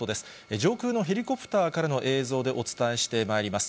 上空のヘリコプターからの映像でお伝えしてまいります。